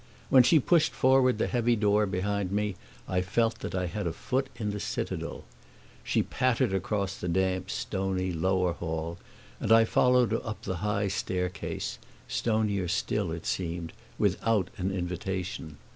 When she pushed forward the heavy door behind me I felt that I had a foot in the citadel. She pattered across the damp, stony lower hall and I followed her up the high staircase stonier still, as it seemed without an invitation.